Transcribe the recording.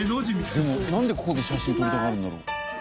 なんでここで写真撮りたがるんだろう？